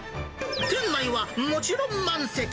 店内はもちろん満席。